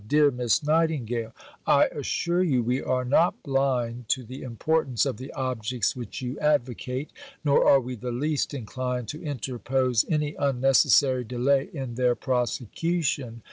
DEAR MISS NIGHTINGALE I assure you we are not blind to the importance of the objects which you advocate, nor are we the least inclined to interpose any unnecessary delay in their prosecution.